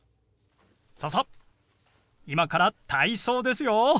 ささっ今から体操ですよ。